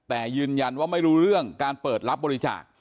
แต่ยืนยันว่าไม่รู้เรื่องการเปิดรับบริจาค